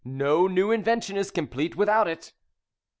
No new invention is complete without it."